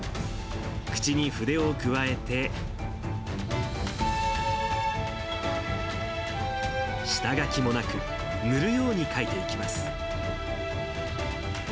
口に筆をくわえて、下書きもなく、塗るように書いていきます。